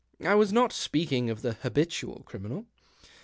I was not speaking of the habitual criminal.